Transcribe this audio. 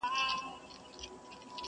په قسمت کي یې تغییر نه وي لیکلی!!